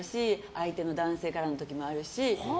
相手の男性からの時もあるし。